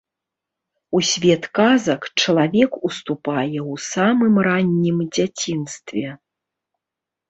У свет казак чалавек уступае ў самым раннім дзяцінстве.